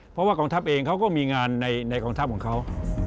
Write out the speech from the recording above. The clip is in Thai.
เพราะว่ากองทัพเองเขาก็มีงานในกองทัพของเขา